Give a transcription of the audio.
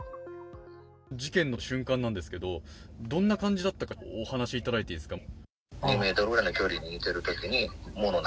事件の瞬間なんですけどどんな感じだったかってお話しいただけますか？